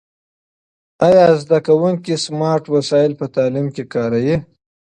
آیا زده کوونکي سمارټ وسایل په تعلیم کې کاروي؟